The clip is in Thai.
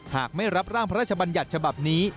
หากไม่รับร่างพระราชบัญญัติฉบับนี้